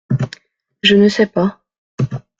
Je ne sais pas…